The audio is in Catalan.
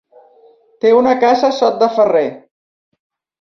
Té una casa a Sot de Ferrer.